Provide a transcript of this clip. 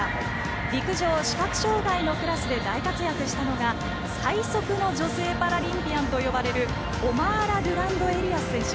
陸上視覚障がいのクラスで大活躍したのが最速の女性パラリンピアンと呼ばれるオマーラ・ドゥランドエリアス選手。